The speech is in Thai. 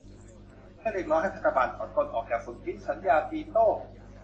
เพื่อเรียกร้องให้รัฐบาลถอนตนออกจากสนธิสัญญาซีโต้